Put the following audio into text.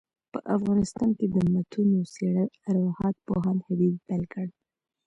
په افغانستان کي دمتونو څېړل ارواښاد پوهاند حبیبي پيل کړ.